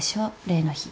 例の日。